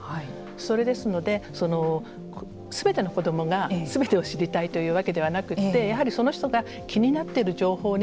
それですのですべての子どもがすべてを知りたいというわけではなくてやはりその人が気になっている情報に